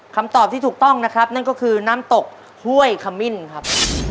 คำตอบที่ถูกต้องนะครับนั่นก็คือน้ำตกห้วยขมิ้นครับ